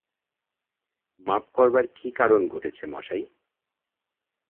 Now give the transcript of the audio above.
মাপ করবার কী কারণ ঘটেছে মশাই!